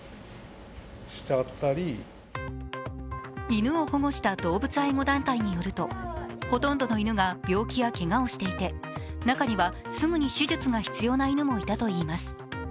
犬を保護した動物愛護団体によるとほとんどの犬が病気やけがをしていて中にはすぐに手術が必要な犬もいたといいます。